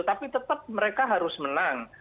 tapi tetap mereka harus menang